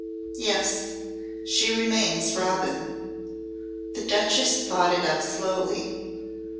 "Yes, she remains Robin." The Duchess thought it out slowly.